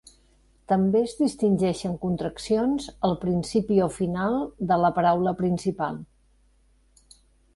També es distingeixen contraccions al principi o final de la paraula principal.